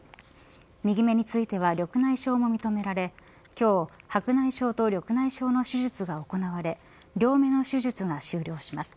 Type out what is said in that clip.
右目については緑内障も認められ今日、白内障と緑内障の手術が行われ両目の手術が終了します。